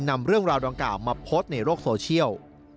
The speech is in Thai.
นำเรื่องราวดังกล่าวมาโพสต์ในโลกโซเชียล